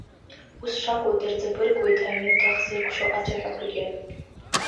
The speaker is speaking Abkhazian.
Ус шакәу дырҵабыргуеит аҩымҭа хзыркәшо ацәаҳәақәагьы…